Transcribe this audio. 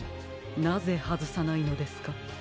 なぜはずさないのですか？